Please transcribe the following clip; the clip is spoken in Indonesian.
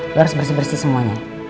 itu harus bersih bersih semuanya